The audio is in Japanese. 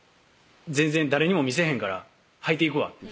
「全然誰にも見せへんからはいていくわ」